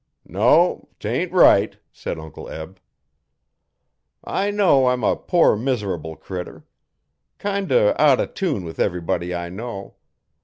'No, 'tain't right,' said Uncle Eb. 'I know I'm a poor, mis'rable critter. Kind o' out o' tune with everybody I know.